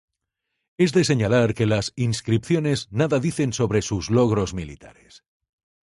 Es de señalar que las inscripciones nada dicen sobre sus logros militares.